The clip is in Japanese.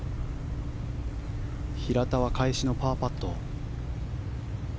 平田は返しのパーパット。